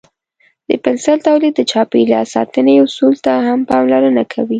د پنسل تولید د چاپیریال ساتنې اصولو ته هم پاملرنه کوي.